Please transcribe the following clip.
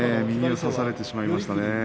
右を差されてしまいましたね。